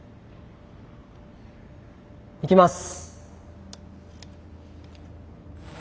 いきます。